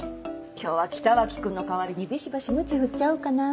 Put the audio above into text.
今日は北脇君の代わりにビシバシムチ振っちゃおうかな。